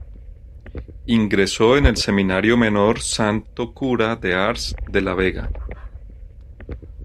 Ingresó en el Seminario Menor Santo Cura de Ars de La Vega.